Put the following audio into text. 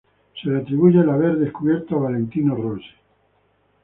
Se le atribuye el haber descubierto a Valentino Rossi.